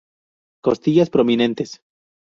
Costillas prominentes.